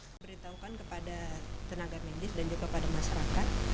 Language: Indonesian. saya beritahukan kepada tenaga medis dan juga pada masyarakat